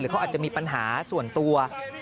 เขาอาจจะมีปัญหาส่วนตัว